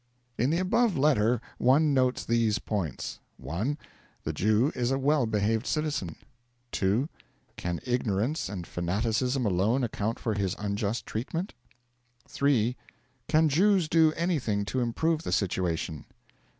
In the above letter one notes these points: 1. The Jew is a well behaved citizen. 2. Can ignorance and fanaticism alone account for his unjust treatment? 3. Can Jews do anything to improve the situation?